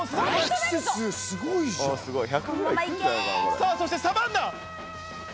さぁそしてサバンナ！